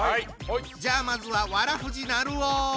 じゃあまずはわらふぢなるお！